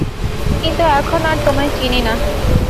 কিন্তু এখন আর তোমায় চিনি না।